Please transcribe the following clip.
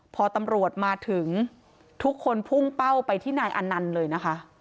พอตำรวจมาถึงทุกคนพุ่งเป้าไปที่นายอนันต์เลยนะคะ